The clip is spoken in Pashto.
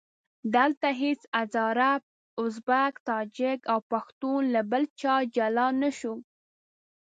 دلته هېڅ هزاره، ازبک، تاجک او پښتون له بل چا جلا نه شو.